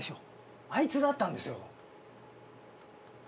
あいつだったんですよ。